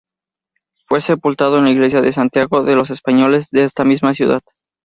Fue sepultado en la iglesia de Santiago de los españoles de esta misma ciudad.